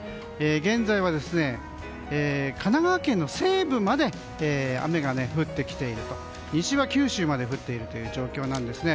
現在は、神奈川県の西部まで雨が降っていて西は九州まで降っているという状況なんですね。